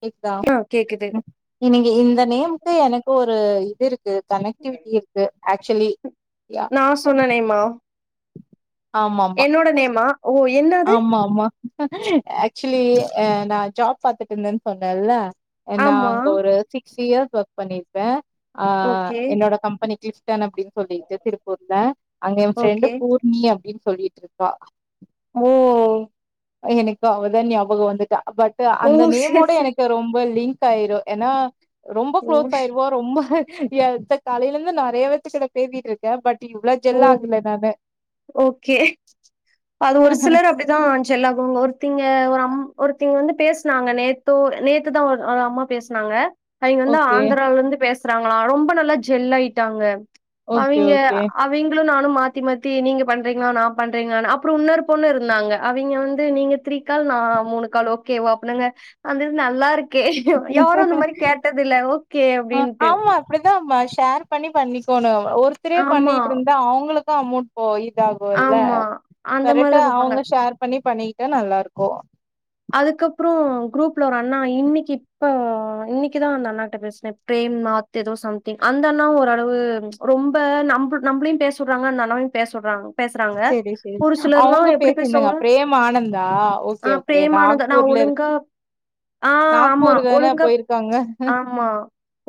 கேக்தா ஆ கேக்குது என்னங்க இந்த நேம்கு எனக்கு ஒரு இது இருக்கு கனெக்டிவிட்டி இருக்கு ஆக்சுலி யா சொன்னனேம்மா ஆமாமா நேமா ஓ என்னது ஆமா ஆமா ஆக்சுவலி அ நா ஜாப் பாத்துட்ருந்தேன் சொன்னல்ல என்னா ஆமா அங்க ஒரு சிக்ஸ் இயர்ஸ் ஒர்க் பண்ணிருப்பே ஆ ஓகே என்னோட கம்பெனிக்கு டன் அப்டின் சொல்லிட்டு திருப்பூர்ல அங்க ஏன் ஃப்ரெண்டு ஓகே பூர்ணி அப்படின் சொல்லிட்ருக்கா ஓ எனக்கு அவதா ஞாபகோ வந்துட்டா பட் ஓ அந்த நேமோட சேரி சேரி எனக்கு ரொம்ப லிங்க் காயிரு ஏனா ரொம்ப ஓ க்ளோஸ் ஆயிருவோ ரொம்ப ஏ த தலைலருந்து நெறைய பேத்து கடை பேசிட்ருக்கே பட் இவ்ள ஓ ஜெல் ஆகல நானு ஓகே அது ஒரு சிலர் அப்டி தா ஜெல்லாகுங்க ஒருத்திங்க ஒரு அம் ஒருத்திங்க வந்து பேஸ்னாங்க நேத்தோ நேத்துதா அ ஒரு அம்மா பேஸ்னாங்க அவிங்க வந்து ஓகே, ஆந்திராவுலந்து பேசுறாங்ளா ரொம்ப நல்லா ஜெல்லாயிட்டாங்க ஓகே, அவிங்க ஓகே. அவிங்களு நானு மாத்தி மாத்தி நீங்க பண்றீங்களா நா பண்றீங்களானு அப்றோ இன்னொரு பொண்ணுருந்தாங்க அவிங்க வந்து நீங்க த்ரீ கால் நா மூணு கால் ஓகேவா அப்புட்னாங்க நாந்து நல்லாருக் கே யாரு அந்த மாரி கேட்டதில்ல ஓகே அப்டின்ட்டே அப்டிதாம ஷேர் பண்ணி பண்ணிக்கோணு ஒருத்தரே ஆமா பண்ணிட்ருந்தா அவுங்களுக்கு அமௌண்ட் ஓ இதாகுல்ல ஆமா அந்த கரெக்டா மாரிதா பாப்பாங்க அவங்க ஷேர் பண்ணி பண்ணிகிட்டா நல்லாருக்கு அதுக்கப்றோ குரூப்ல ஒரு அண்ணா இன்னிக்கு இப்ப இன்னிக்குதா அந்த அண்ணாட்ட பேசினே பிரேம் நாத் எதோ சம்திங் அந்தண்ணா ஓரளவு ரொம்ப நம்பு நம்புளையு பேசடுறாங்க அந்த அண்ணாவையு பேசடுறாங்க பேஸ்றாங்க சரி, ஒரு சிலர்லா எப்டி பேசுவாங்க ம் ஆனந்தா ஆ ஓகேஓகே பிரேமானந்தா நா ஒழுங்கா ஆ ஆமா நாக்பூர் தான ஒழுங்கா போயிருக்காங்க? ஆமா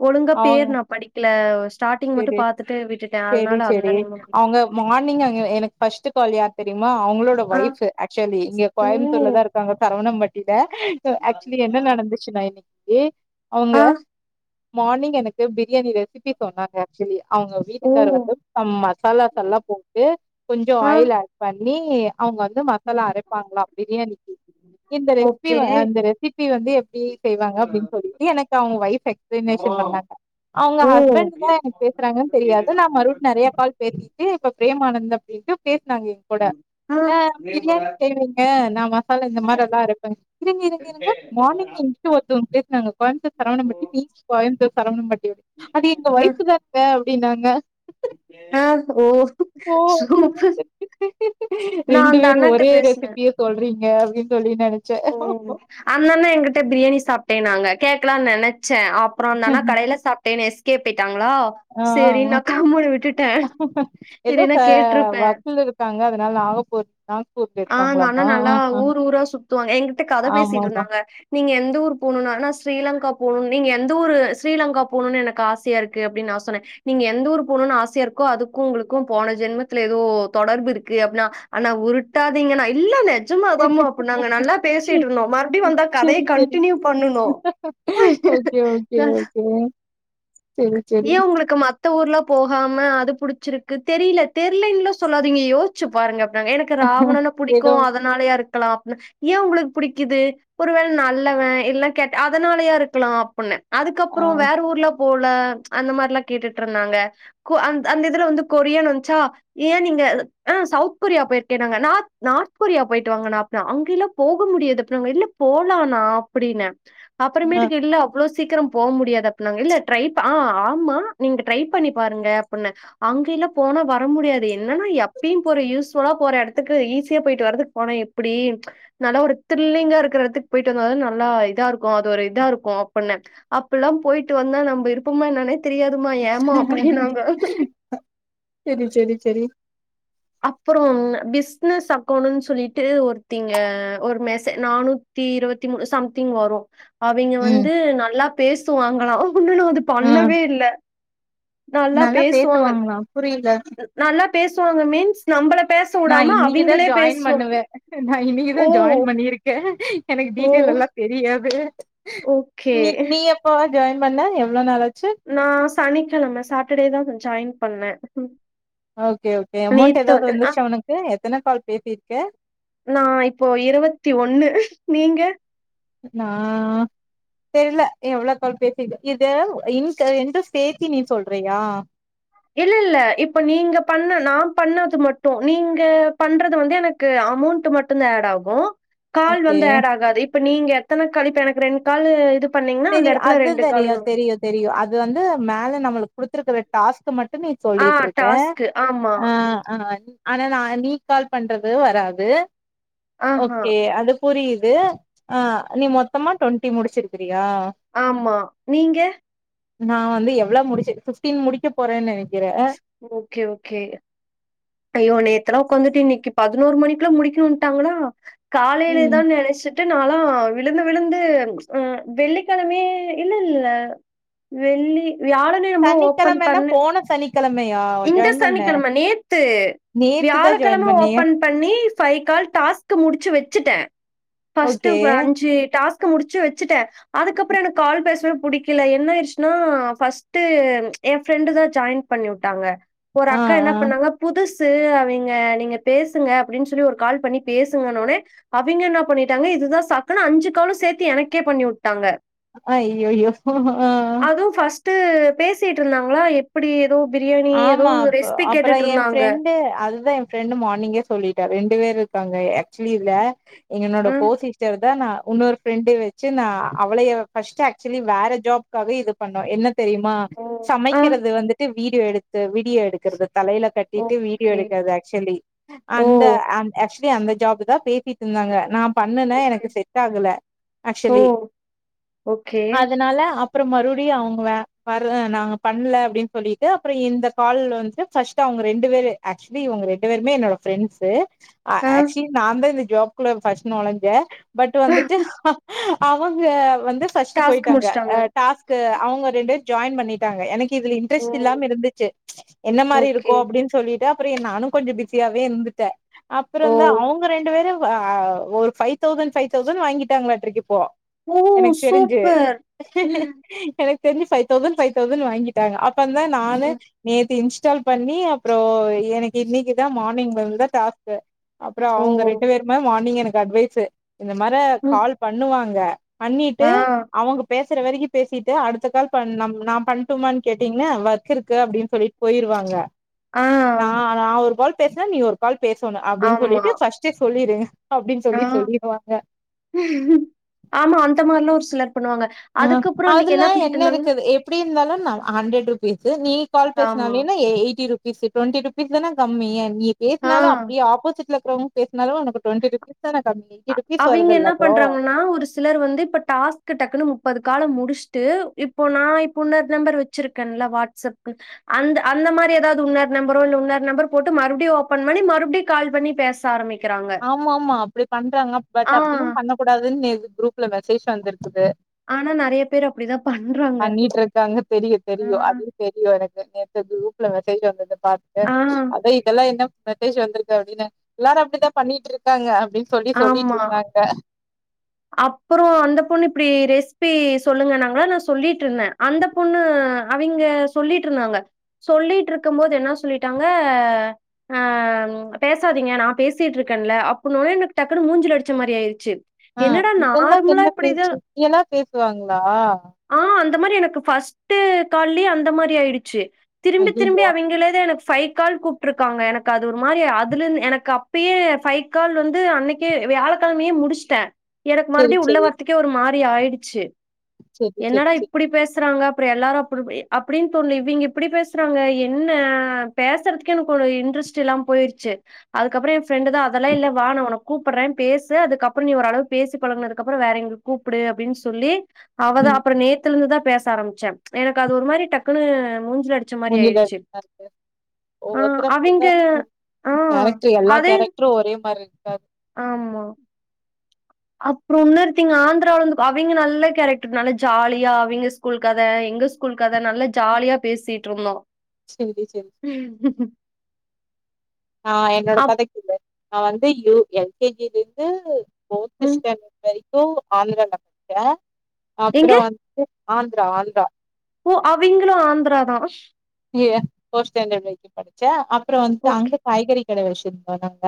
ஒழுங்கா அவங்க பேர் நா படிக் க்ல ஸ்டாட்டிங் மட்டு செரி பாத்துட்டு விட்டுட்டே செரி அதனால செரி அந்த நேமு [inaudible] அவங்க மார்னிங் அங்க எனக்கு ஃபர்ஸ்ட் கால் யார் தெரிமா அவுங்களோட ஆ. ஒய்ஃபு ஆக்சுவலி இங்க ஓ! கோயம்புத்தூர்ல தா இரு க்காங்க சரவணம்பட்டில ஆக்சுவலி என்ன நடந்துச்சுன்னா இன்னிக்கு அவுங்க ஆ. மார்னிங் எனக்கு பிரியாணி ரெசி சொன்னாங்க ஆக்சுவலி அவுங்க ஓ! வீட்டுக்கார் வந்து சம் மசாலாஸ் சல்லா போட்டு கொஞ்சோ ஆ. ஆயில் ஆட் பண்ணி அவங்க வந்து மசாலா அரைப்பாங்ளா பிரியாணிக்கு இந்த ரெஸ்பி ஓகே. வ அந்த ரெசிபி வந்து எப்டி செய்வாங்க அப்டின் சொல்லிட்டு எனக்கு அவுங்க ஒய்ஃப் பினேஷன் பண்ணாங்க அவங்க ஓ! ஹஸ்பண்ட் [unintelligible] எனக் பேசுறாங்கன் தெரியாது நா மறுபடி நறைய கால் பேசிட்டு இப்ப பிரேமானந்தா அப்டின்ட்டு பேஸ்னாங்க கூட ஆ பிரியாணி செய்வங்க நா மசாலா இந்த மாதிரில்லா அரைப்பங்க இருங்க இருங்க ங்க மார்னிங் எங்கிட்ட ஒருத்தோங்க பேஸ்னாங்க கோயம்பத்தூர் சரவணம்பட்டி நீங் கோயம்பத்தூர் சரவணம்பட்டியா அது எங்க ஆ. ஒய்ஃப் தானுங்க அப்டின்னாங்க ஆ ஓ சூப்பர் நான் ரெண்டு அந்த பேரு அண்ணாட்ட ஒரே பேசினேன். ரெசிபிய சொல்றீங்க அப்டின் சொல்லி ஓ நெனச்சேன். அந்த அண்ண எங்கிட்ட பிரியாணி சாப்ட்டேனாங்க கேக்கலா நெனைச்சே அப்றோ அந்தண்ணா கடைல சாப்ட்டேன்னு எஸ்கேப்பாயிட்டாங்ளா ஆ ஆ சேரின் ஆ நா கம்முணு விட்டுட்டே இல்லைனா கேட்ருப்பே க்காங்க அதனால நாகப்பூர் நாக்பூர் அந்த அண்ணா போய்ருக்காங்ளாமா நல்லா ஊர் ஊரா சுத்துவாங் எங்கிட்ட கத பேசிட்ருந்தாங்க க நீங்க எந்த ஊரு போணுனா நா ஸ்ரீலங்கா போணுன் நீங்க எந்த ஊரு ஸ்ரீலங்கா போணுன் எனக்கு ஆசையா இருக் கு அப்டின் நா சொன்னே நீங்க எந்த ஊர் போணுன் ஆசையாருக்கோ அதுக்கு உங்குளுக்கு போன ஜென்மத்துல எதோ தொடர்பு இருக்கு அப்னா அண்ணா உருட்டாதீங்கன்னா இல்ல நெஜமா தாம்மா அப்பு நாங்க நல்லா பேசிட்டு இருந்தோ மறுபடியு வந்தா கதய செரி செரி கண்டினியூ பண்ணனு இல்லைங் ஏன் உங்களுக்கு ம த்த ஊர்லா போகாம அது புடிச்சிருக்கு தெரில தெரிலனல்லா சொல்லாதீங்க யோசிச்சு பாருங்க நகை எடுக்கற ஆவல்னா புடிக்கு ஏதோ அதனாலயா இருக்கலா ஏன் உங்களுக்கு புடிக்குது ஒரு வேள நல்லவன் இல்லை கெட்ட அதனாலயா இருக்கலா அப்டின ஆ அதுக்கப்றோ வேற ஊர்லா போல அந்த மாரில்லா கேட்டுட்டு இருந்தாங்க கொ அந்த அந்த இதுல வந்து கொரியானு வந்ச்சா ஏன் நீங்க ஆ சவுத் கொரியா போயிருக்கனாங்க நார்த் நார்த் கொரியா போயிட்டு வாங்கண்ணா நா அங்கே எல்லா போக முடியாது அப்பனாங்க இல்ல போலானா அப்டின ஆ அப்புறமேட்டுக்கு இல்ல அவ்ளோ சீக்கிரோ போ முடியாது அப்டினாங்க இல்ல ட்ரைப் ஆ ஆமா நீங்க ட்ரை பண்ணி பாருங்க அப்டின அங்க எல்லா போனா வர முடியாது என்னனா எப்பயும் போற யூஸ்லா போற எடத்துக்கு ஈஸியா போயிட்டு வரதுக்கு போனா எ ப்டி நல்லா ஒரு த்ரில்லிங்கா இருக்கற எடத்துக்கு போயிட்டு வந்தாதா நல்லா இதா இருக்கு அது ஒரு இதா இருக்கு அப்டின அப்ப எல்லாம் போயிட்டு வந்தா நம்ம இருப்போமா என்னனே தெரியாதுமா ஏமா அப்டினாங்க செரி செரி செரி அப்றோ ஒன்னு பிஸ்னஸ் அக்கௌன்னு சொல்ட்டு ஒருத்தி இங்க ஒரு மெசே நானு த்தி இருவத்தி மூணு சம்திங் வரு அவிங்க ம் வந்து நல்லா பேசுவாங்களா உண்ணு நா அது ஆ பண்ணவே இல்ல நல்லா பேசுவாங்க பேசுவாங்களா புரியல நல்லா பேசுவாங்க மீன் நா இன்னைக்குதா ஜாயின் பேசுவாங்க. பண்ணுவே நா இன்னைக்குதா ஓ! ஜாயின் பண்ணிரு கே எனக்கு ஓ! டீட்டெய்ல் எல்லா தெரியாது ஓகே. நீ நீ எப்ப ஜாயின் பண்ண எவ்வளோ நாளாச்சு நா சனிக்கிழம சாட்டர்டேதா ஜாயின் பண்ண ஓகே ஓகே அமௌண்ட் எதாவது அ வந்துச்சா உனக்கு எத்தன கால் பேசியிருக்க நா இப்போ இருவத்தி ஒன்னு நீங்க நா தெர்ல எவ்ளோ கால் பேசிர்க்க இது இண்ட் ரெண்டு சேத்தி நீ சொல்றியா இல்ல இல்ல இப்ப நீங்க பண்ண நான் பண்ணது மட்டு நீங்க பண்றது வந்து என க்கு அமௌண்ட் மட்டு ஆட் ஆகு கால் ஓகே. வந்தா ஆட் ஆகாது இப்ப நீங்க எத்தன கால் இப்ப எனக்கு ரெண் கால் இது பண்ணீங்கனா அந்த எடத்துல ரெண்டு காலுனு தெரியு அது வந்து மேல நம்மளுக்கு குடுத்துருக்கற டாஸ்க் மட்டுமே ஆ சொல்லிட்டுருக்க டாஸ்க்கு. ஆமா. அ அ ஆனா நா நீ கால் பண்றது வராது ஆஹா. ஓகே அது புரிது ஆ நீ மொத்தமா ட்வெண்ட்டி முடிச்சிருக்கிறயா ஆமா நீங்க நா வந்து எவ்ளோ முடிச் பிஃப்டீன் முடிக்க போறன்னு நெனைக்கிற ஓகே ஓகே அய்யோ நேத்தெல்லா உக்காந்துட்டு இன்னைக்கு பதினோரு மணிக்குல்ல முடிக்கணுட்டாங்ளா ம். காலைலதா நெனச்சு ட்டு நாளா விழுந்து விழுந்து ம் வெள்ளிக்கிழமயே இல்லல்ல வெள்ளி வியாழன் என்னமோ ஓப்பன் சனிக்கிழமைன்னா பண்ண போன சனிக்கிழமையா இந்த ஜாயின் பண்ண? சனிக்கிழம நேத் து நேத்துதா வியாழக்கிழம ஜாயின் பண்ணியா ஓப்பன் பண்ணி ஃபை கால் டாஸ்க் முடிச்சு வெச்சுட்ட ஃபர்ஸ்ட் ஓகே அஞ்சு டாஸ்க்க முடிச்சு வெச்சுட்ட அதுக்கப்புற எனக்கு கால் பேசவே புடிக்கில என்ன ஆயிர்ச்சுன்னா ஃபர்ஸ்ட்டு என் ஃப்ரெண்டு தா ஜாயின் பண்ணி உட்டாங்க ஒரு ஆ அக்கா என்ன ஆ பண்ணாங்க புதுசு அவிங்க நீங்க பேசுங்க அப்டின் சொல்லி ஒரு கால் பண்ணி பேசுங்கன்ன ஒன்னே அவிங்க என்ன பண்ணிட்டாங்க இதுதா சாக்குணு அஞ்சு காலு சேத்தி எனக்கே பண்ணி உட்டாங்க ஐயயோ ஆ வு ஃபஸ்டு பேசிட்ருந்தாங்ளா எப்பிடி எதோ பிரியாணி எதோ ரெசிபி கேட்டு என் ஃப்ரெண்டு அதுதா என் ஃப்ரெண்டு மார்னிங்கே சொல்லிட்டா ரெண்டு பேர் இருக்காங்க ஆக்சுலி இதுல எங்கன்னோட அ. கோசி ஸ்டர் தா நா உன்னோரு ஃப்ரெண்டு வச்சு நா அவளயே ஃபஸ்டு ஆக்சுலி வேற ஜாப் க்காக இது பண்ணோ என்ன தெரியுமா ஓ! ஆ, சமைக்கிறது வந்துட்டு வீடியோ எடுத் து வீடியோ எடுக்கறது தலையில கட்டிட்டு வீடியோ ஓகே. எடுக்கறது ஆக்சுவலி ஓ! அந்த ஆக்சுலி அந்த ஜாப் தா பேசிட்ருந்தாங்க நான் பண்ணன ஓகே. எனக்கு செட் ஆகல ஓ! Actually okay. அதனால அப் அப்புறம் மறுபடியும் அவுங்க வேர நாங்க பண்ல அப்டின்னு சொல்லிட்டு அப்புற இந்த கால வந்து ஃபர்ஸ்ட் அவுங்க ரெண்டு பேரு ஆக்சுலி உங்க ரெண்டு பேருமே என்னோட ஃப்ரெண்ட்ஸு ஆ ஆக்சுலி நாதான் இந்த ஜாப் குள்ள ஃபர்ஸ்ட் நொழஞ்சே பட் வந்துட்டு அவுங்க வந்து ஃபர்ஸ்டு டாஸ்க் போயிட்டாங்க முடிச்சுட்டாங்க. டாஸ்க் கு அவுங்க ரெண்டு ஜாயின் பண்ணிட்டாங்க எனக்கு இதுல ஓ! இன்ட்ரெஸ்ட் இல்லாம இருந்துச்சு என்ன மாரி இருக்கூ ஓகே. அப்டின் ன் சொல்லிட்டு அப்புறொ நானு கொஞ்சொ பிஸியாவே இருந்துட்டே ஓ! அப்புறந்தா அவுங்க ரெண்டு பேரு ஒ அ ஒரு ஃபைவ் தௌசண்ட் ஃபைவ் தௌசண்ட் வாங்கிட்டாங்களாட்ருக்கு இப்போ ஓ! எனக் தெரிஞ்சு சூப்பர். எனக் தெரிஞ்சு ஃபைவ் தௌசண்ட் ஃபைவ் தௌசண்ட் வாங்கிட்டாங்க அப்பந்தான் நானு ம். நேத்து இன்ஸ்டால் பண்ணி அப்புறோ எனக்கு இன்னைக்குதா மார்னிங் வந்துதா டாஸ்க்கு அப்புறோ ஓ! அவுங்க ரெண்டு பேருமே மார்னிங் எனக்கு அட்வைஸு இந்த மார ம். கால் பண்ணுவாங்க பண்ணிட்டு ஆ, அவுங் பேசுற வரைக்கி பேசிட்டு அடுத்த கால் பண் நம் நா பண்ட்டுமான் கேட்டீங்ன்னா வ வொர்க் இருக்கு அப்டின் சொல்லிட்டு போயிருவாங்க ஆ. நா நா ஒரு கால் பேசுனா நீ ஒரு கால் பேசணு அப்டின் ஆமா. சொல்லிட்டு ஃபர்ஸ்டே சொல்லிருங்க அப்டின் ஆ. சொல்லி சொல்லிருவாங்க ஆமா அந்த மார்லாம் ஒரு சிலர் பண்ணுவாங்க ஆ அதுக்கப்புறம் அன்னைக்கு என்ன பண்ணிட்டு இருந்தாங்க? ப்புடி இருந்தாலு நா ஹண்ட்ரட் ருபீஸு நீ கால் ஆமா. பேசினாலேனு எயிட்டி பீஸு டுவெண்டி ருபீஸ்தான கம்மி நீ பேசுனால ஆ. அப்டியே ஆப்போசிட்ல இருக்கிறவுங் பேசினாலு உனக்கு டுவெண்டி ருபீஸ் தான கம்மி எயிட்டி ருபீஸ் அவிங்க வருதுல்ல என்ன ப்ரோ பண்றாங்கன்னா ஒரு ஸ் சிலர் வந்து இப்ப டாஸ்க்கு டக்குன்னு முப்பது காலும் முடிச்ட்டு இப்போ நா இப்ப இன்னொரு நம்பர் வச்சிருக்கேன்ல வாட் சப் கு அந்த அந்த மாரி எதாவ்து உன்னோரு நம்பரோ இல்ல உன்னோரு நம்பர் போட்டு மறுபடியும் ஓபன் பண்ண மறுபடி கால் பண்ணி பேச ச ஆரமிக்கிறாங்க ஆமா ஆமா அப்டி பண்றாங்க பட் அப்டியும் பண்ணக்க கூடாதுன்னு நேத்து குரூப்ல மெசேஜ் வந்திருக்குது ஆனா நெறைய பேர் அப்படிதான் பண்றாங்க. பண்ணிட்ருக்காங்க தெரியு ஆ. தெரியு அது தெரியு எனக்கு நேத்து குரூப்ல மெசேஜ் வந்தது பாத்தே ஆ. அதா இதெல்லா என்ன மெதேஜ் வந்திருக்கு அப்டின்ன எல்லாரு அப்டிதா பண்ணிட்ருக்காங்க அப்டின் ஆமா அப்பறோ அந்த பொண்ணு இப்டி ரெசிபி சொல்லுங்கனாங்களா சொல்லிட்ருந்தே அந்த பொண்ணு அவிங்க சொல்லிட்ருந்தாங்க சொல்லிட்டு இருக்கும் போது என்ன சொல்லிட்டாங்க ஆ பேசாதீங்க நா பேசிட்டு இருக்கேன்ல அப்னோனே எனக் டக்குன்னு மூஞ்சுல அடிச்ச மாரி ஆயிருச்சு ஆ என்னடா இதெல்லா நார்மலா என்ன பேச்சு இப்டிதான் இப்பல்லா பேசுவாங்ளா ஆ அந்த மாரி எனக்கு ஃபர்ஸ்ட்டு கால்லே அந்த மாரி ஆயிடுச்சு திரும்பி திரும்பி ஐயையோ அவிங்களே தா எனக் ஃபை கால் கூப்ட்ருக்காங்க எனக்கு அது ஒரு மாரி அதுலந்து எனக்கு அப்பியே ஃபை கால் வந்து அன்னைக் கே வியாழக்கிழமையே முடிஸ்ட்ட எனக் செரி மறுபடியு உள்ள செரி வரத்துக்கே ஒரு மாரி ஆயிடுச்சு செரி செரி என்னடா செரி இப்டி பேசுறாங்க அப்ற எல்லாரு கொடுமையே அப்டின் தோண்ல இவிங்க இப்டி பேசுறாங்க என்ன பேசுறதுக்கு எனக் ஒரு இன்ட்ரெஸ்ட் இல்லாம் போயிரு ச்சு அதுக்கப்பறோ என் ஃப்ரெண்டு தா அதெல்லா இல்ல வா நா உனக் கூப்பற பேசு அதுக்கப்பற நீ ஓரளவு பேசி பழகுனதுக்கு அப்ற வேறவிங்களுக் கூப்டு அப்டின் சொல்லி அவதா ம் அப்புற நேத்துல இருந்து தா பேச ஆரம்பிச்ச எனக்கு அது ஒரு மாரி டக்குன்னு மூஞ்சல அடிச் சச மாரி மூஞ்சில ஆயிருச்சு அடிச்ச மாரி பேசு ஆ ஒவ்வொருத்தர அவிங்க அப்டிதா ஆ அத மெட்ரோ ஒரே மாரி இருகா ஆமா அப்றோ இன்னொருத்தீங் ஆந்திரால இருந்து அவிங்க நல்ல கேரக்டர் நல்லா ஜாலியா அவிங்க ஸ் ஸ்கூல் கத எங்க ஸ்கூல் கத நல்லா ஜாலியா பேசிட்டு இருந்தோ சேரி சேரி ம் ஆ என்னோட அப் பதக்க இல்ல நா வந்து யூ எல் கே ஜில இருந்து ஃபோர்த்து ம். ஸ்டாண்டர்ட் வரைக்கு ஆந்திரால படிச்ச அப்புற எங்க? வந்ட்டு ஆந்திரா ஆந்திரா ஓ அவிங்களு ஆந்திர தா அங்கியே ஃபோர்த் ஸ்டாண்டர்ட் வரைக்கு படிச்ச அப்ற வந்துட்டு ஓகே, அங்க காய்கறி கட வச்சிருந்தோ நாங்க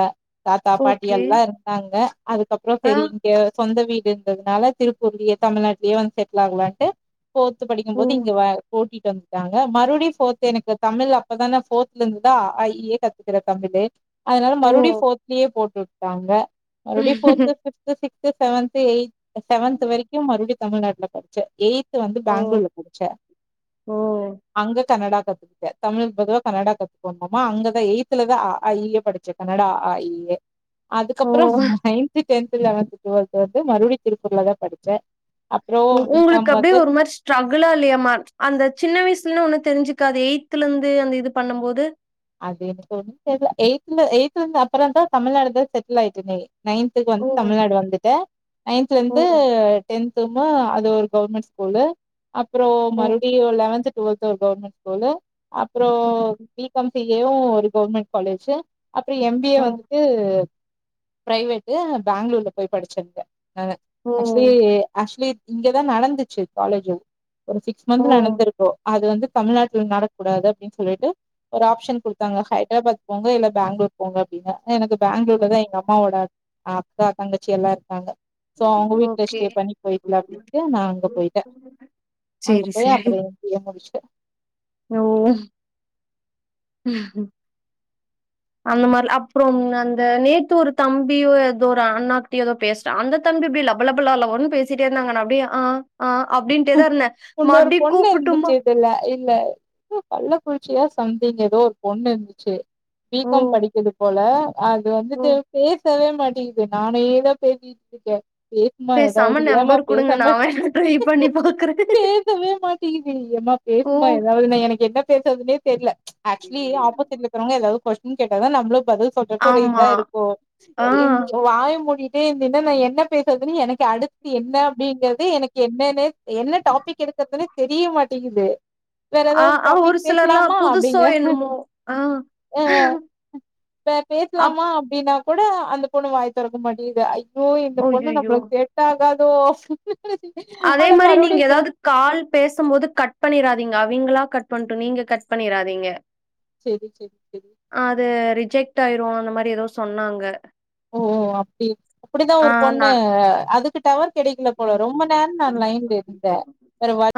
தாத்தா பாட்டி ஓகே. எல்லா இருந்தாங்க அதுக்கப்றோ ஆ, பெரிங்க சொந்த வீடு இருந்ததுனால திருப்பூர்லயே தமிழ்நாட்டுலயே வந்து செட்ல் ஆக்லான்ட்டு ஃபோர்த் படிக்கும் ஓ, போது இங்க வ கூட்டிட்டு வன்ட்டாங்க மறுபடியு ஃபோர்த் எனக்கு தமிழ் அப்பதா நா ஃபோர்தல இருந்துதா அ ஆ இயே கத்துக்கிற தமிழே அதனால ஓ. மறுபடி ஃபோர்த்லயே போட்டுவுட்டாங்க மறுபடி fourth fifth sixth seventh eighth seventh வரைக்கு மறுபிடியு தமிழ்நாட்ல படிச்ச எயி் த் வந்து ஓ, பெங்களூர்ல படிச்ச ஓ, அங்க கனடா கத்து ட தமிழ் பொதுவா கனடா கத்துக்கோகமா அங்கதா எயித்ல தா அ ஆ இயே படிச்ச கனடா அ ஆ இயே அதுக்கப்றோ ஓ. நைன்து டென்து லெவன்த் டுவெல்த் வந்து மறுபடியு திருப்பூர்ல தா படிச்ச ஓ உங்களுக்கு அப்டியே ஒரு மார் ஸ் ஸ்ட்ரகுளா இல்லையாமா அந்த சின்ன வயசுலு ஒண்ணு தெரிஞ்சுக்காது எயி்த்ல இருந்து அந்த இது பண்ணும் போது அது எனக்கொன்னு தெர்ல எய்த்ல எய்த்ல இருந்து அப்றம் தா தமிழ்நாடு தா செட்ல் ஆயிட்டனே நைன் த் ஓ, வந்து தமிழ்நாடு வந்துட்ட நைன்தல ஓ, இருந்து டென்து அது ஒரு கவர்மெண்ட் ஸ்கூல்லு அப்றோ ஓ, மறுடியு லெவன்த் டுவெல்த்ல ஒரு கவர்மெண்ட் ஸ்கூலு அப்றோ ம், பீகாம் சி ஏவு ஒரு கவர்மெண்ட் காலேஜு அப்றோ எம் பி ஏ ஓ, வந்துட்டு பிரைவேட்டு பெங்களூர் போய் படிச்சிருங்க அ ஓ, ஆக்சுலி ஆக்சுலி இங்கதா நடதுச்சு காலேஜ் ஒரு சிக்ஸ் ஓ, மந்த் நடந்திருக்கோ அது வந்து தமிழ்நாட்ல நடக்கூடாது அப்டின் சொல்லிட்டு ஒரு ஆப்ஷன் குடுத்தாங்க ஹைதராபாத் போங்க இல்ல பெங்களூர் போங்க அப்டினு எனக்கு பெங்களூர்ல ஓ. தா எங்க அம்மோட அக்கா தங்கச்சி எல்லா இருக்காங்க சோ அவுங்க வீட்டுல ஓகே. ஸ்டே பண்ணி போய்க்லா அப்டின்னுட்டு நா அங்க பொயிட்டே அங்க சரி, போய் அப்றோ எனக்கு [unintelligible] முடிச்சுட்டு ஞா ஓவ ம் ம் அந்த மாரில அப்றோம் அந்த நேத்து ஒரு தம்பியோ எதோ ஒரு அண்ணாக்கிட்ட எதோ பேஸ் அந்த தம்பி இப்டி லப லப ல லவோனு பேசிட்டேருந்தாங்க நா அப்டியே ஆ ஆ ஆ அப்டிட்டேதா இருந்தே மற்படியு கூப்புட்டுமா இல்ல இல்ல கள்ளக்குறிச்சியா சம்திங் எதோ ஒரு பொண்ணு இருந்துச்சு பீ ஓ காம் படிக்கிது போல அது ஓ வந்துட்டு பேசவே மாட்டேங்குது நானேதா பேசிகிட்டு இருக்கே பேசுமா எதாவது பேசாம ஏம்மா நம்பர் குடுங்க பேசாம நா வேணா ட்ரை பண்ணி பாக்குற பேசவே மாட்டேங்கிது ஏம்மா ஓ பேசுமா எதாவது நா எனக்கு என்ன பேசுறதுன்னே தெர்ல ஆக்சுலி ஆப்போசிட்ல குறவுங்க எதாவது கொஸ்டின் கேட்டாதா நம்மளு பதில் சொல்றக்கு ஒரு இதா ஆமா இருக்கு ஆ ஓ வாய மூடிகிட் டே இருந்தீன்னா நா என்ன பேசுறதுன்னு எனக்கே அடுத்து என்ன அப்டிங்கிறதே எனக்கு என்னனே என்ன டாபிக் எடுக்கற்துன்னு தெரிய மாட்டேங்கிது வேற ஆ எதாவது ஆ ஒரு டாபிக் சிலர்லா பேஸ்லாமா புதுசோ அப்டிங்க என்னமோ ஆ அ அ இப்ப அப் பேசலாமா அப்டின்னா கூட அந்த பொண்ணு வாய தொறக்க மாட்டீங்கிது ஐ சோ இந்த பொண்ணு அய்யய்யோ நம்மளுக்கு செட் ஆகாதோ அதே ஆன மாரி நீங்க மறுபடியுங்க ஏதாவது கால் பேசும்போது கட் பண்ணிராதீங்க அவிங்களா கட் பண்ணட்டு நீங்க கட் பண்ணிராதீங்க சேரி சேரி சேரி ஆ அது ரிஜெக்ட் ஆயிரு அந்த மாரி எதோ சொன்னாங்க ஓ ஓ அப்டி அப்டிதா ஆ ஒரு நா பொண்ணு அதுக்கு டவர் கெடைக்கல போல ரொம்ப நேரோ நா லைன்ல இருந்தே வேற வழி